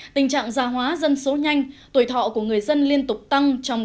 xin chào và hẹn gặp lại